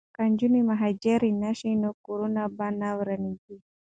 که نجونې مهاجرې نه شي نو کورونه به نه ورانیږي.